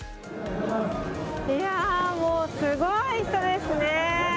いやあ、もうすごい人ですね。